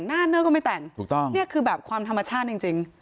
หน้าเนื้อก็ไม่แต่งนี่คือแบบความธรรมชาติจริง